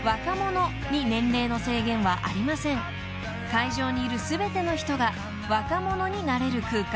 ［会場にいる全ての人が若者になれる空間］